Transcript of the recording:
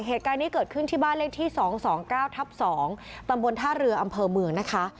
เหตุการณ์นี้เกิดขึ้นที่บ้านเลขที่๒๒๙ทับ๒ตำบลท่าเรืออำเภอเมืองนะคะ